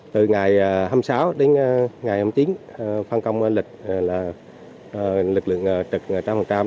từ ngày hai mươi sáu đến ngày hai mươi chín phan công lịch lực lượng trực trăm phần trăm